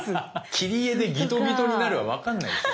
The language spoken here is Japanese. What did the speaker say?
切り絵でギトギトになるは分かんないですよ。